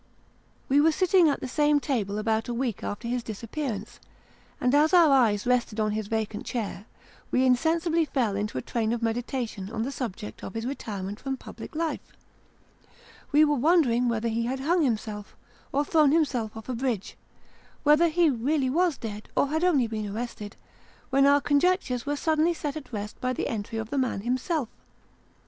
We were sitting at the same table about a week after his disappear ance, and as our eyes rested on his vacant chair, we insensibly fell into a train of meditation on the subject of his retirement from public life. We were wondering whether he had hung himself, or thrown himself off a bridge whether he really was dead or had only been arrested when our conjectures were suddenly set at rest by the entry of the man himself.